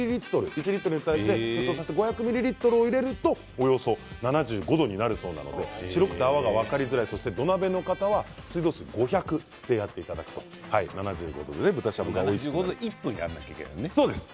１リットルに対して５００ミリリットルを入れるとおよそ７５度になるそうなので白くて泡が分かりづらい土鍋の方は水道水５００でやっていただくと７５度で１分ですよね。